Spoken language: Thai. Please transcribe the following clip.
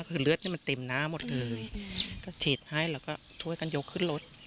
คือเลือดนี่มันเต็มหน้าหมดเลยก็ฉีดให้แล้วก็ช่วยกันยกขึ้นรถ